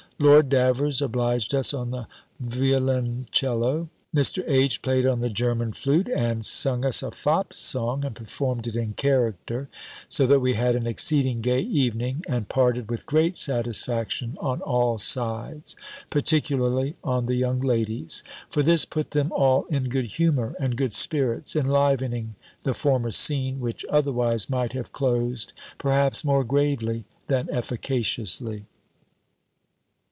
Lord Davers obliged us on the violincello: Mr. H. played on the German flute, and sung us a fop's song, and performed it in character; so that we had an exceeding gay evening, and parted with great satisfaction on all sides, particularly on the young ladies; for this put them all in good humour, and good spirits, enlivening the former scene, which otherwise might have closed, perhaps more gravely than efficaciously.